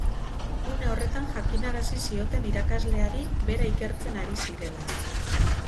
Une horretan jakinarazi zioten irakasleari bera ikertzen ari zirela.